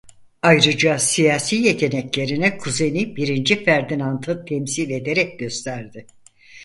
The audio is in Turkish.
Ayrıca siyasi yeteneklerini kuzeni birinci Ferdinand'ı temsil ederek gösterdi.